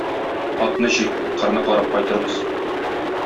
Атны җик, кырны карап кайтырбыз.